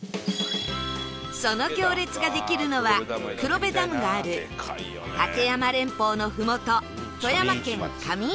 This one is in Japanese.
その行列ができるのは黒部ダムがある立山連峰のふもと